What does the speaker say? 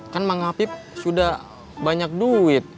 kan mak ngapip sudah banyak duit